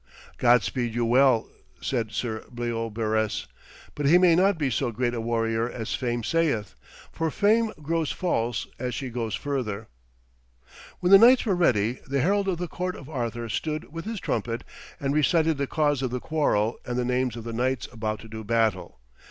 'God speed you well,' said Sir Bleobaris, 'but he may not be so great a warrior as fame saith. For fame grows false as she goes further.' When the knights were ready, the herald of the court of Arthur stood with his trumpet and recited the cause of the quarrel and the names of the knights about to do battle.